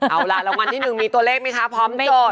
เอาล่ะรางวัลที่๑มีตัวเลขไหมคะพร้อมจด